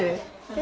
え？